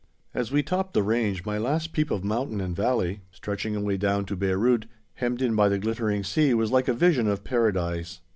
As we topped the range my last peep of mountain and valley, stretching away down to Beyrout, hemmed in by the glittering sea, was like a vision of Paradise.